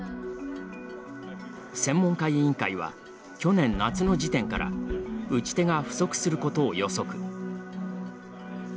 専門家委員会は去年夏の時点から打ち手が不足することを予測。